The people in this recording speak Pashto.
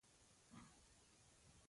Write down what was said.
له نوي رئیس سره مطرح کړي.